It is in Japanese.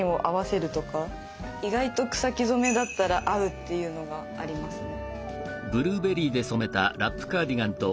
意外と草木染めだったら合うっていうのがありますね。